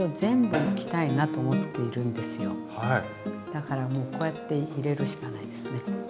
だからもうこうやって入れるしかないですね。